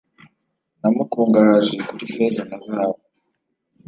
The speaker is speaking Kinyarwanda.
namukungahaje kuri feza na zahabu,